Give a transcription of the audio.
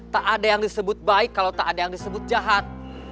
tak ada yang disebut baik kalau tak ada yang disebut jahat